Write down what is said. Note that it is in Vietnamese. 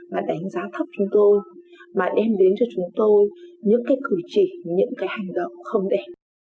và đánh giá thấp chúng tôi mà đem đến cho chúng tôi những cái cử chỉ những cái hành động không để